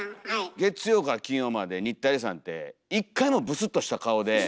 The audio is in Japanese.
月曜から金曜まで新田恵利さんって一回もブスッとした顔で。